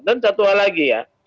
dan satu hal lagi ya